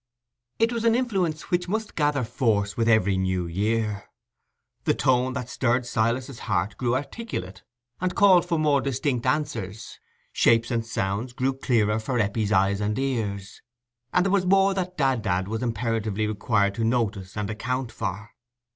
It was an influence which must gather force with every new year: the tones that stirred Silas's heart grew articulate, and called for more distinct answers; shapes and sounds grew clearer for Eppie's eyes and ears, and there was more that "Dad dad" was imperatively required to notice and account for.